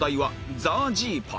ザージーパイ。